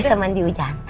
bisa mandi hujan